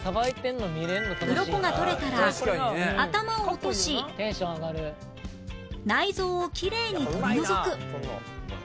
ウロコが取れたら頭を落とし内臓をきれいに取り除く